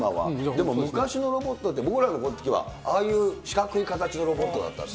でも昔のロボットって、僕らのときは、ああいう四角い形のロボットだったんですよ。